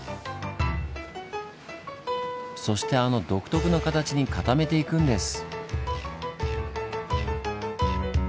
そしてあの独特の形に固めていくんです。